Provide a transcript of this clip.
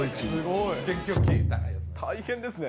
大変ですね。